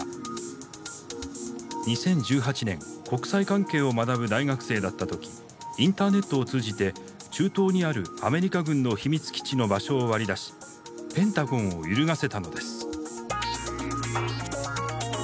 ２０１８年国際関係を学ぶ大学生だった時インターネットを通じて中東にあるアメリカ軍の秘密基地の場所を割り出しペンタゴンを揺るがせたのです。